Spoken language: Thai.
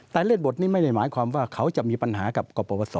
แต่เรื่องบทนี้ไม่ได้หมายความว่าเขาจะมีปัญหากับกรปศ